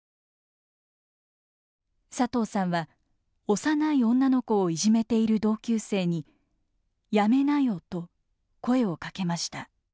佐藤さんは幼い女の子をいじめている同級生に「やめなよ」と声をかけました。